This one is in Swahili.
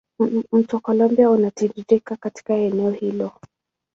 Mto Columbia unatiririka katika eneo hilo.